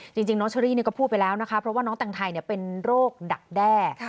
จริงน้องเชอรี่ก็พูดไปแล้วนะคะเพราะว่าน้องแต่งไทยเป็นโรคดักแด้